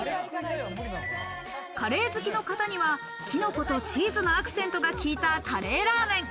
カレー好きの方にはきのことチーズのアクセントが効いたカレーラーメン。